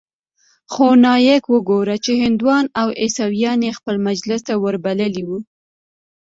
خو نايک وګوره چې هندوان او عيسويان يې خپل مجلس ته وربللي وو.